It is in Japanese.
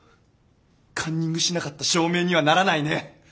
カンニングしなかった証明にはならないね。